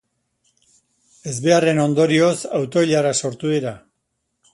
Ezbeharren ondorioz, auto-ilarak sortu dira.